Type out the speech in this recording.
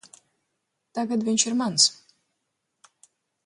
Tagad viņš ir mans.